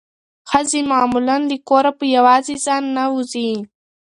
ښځې معمولا له کوره په یوازې ځان نه وځي.